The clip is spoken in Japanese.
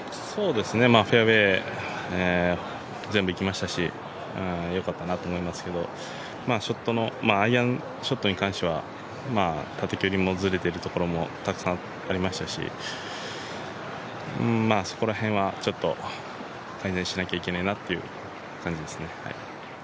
フェアウエー全部いきましたし良かったなと思いますけどアイアンショットに関しては、縦距離もずれているところもたくさんありましたし、そこら辺は改善しなきゃいけないなっていう感じですね。